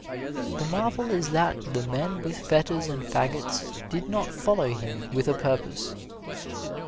The marvel is that the men with fetters and fagots did not follow him with a purpose.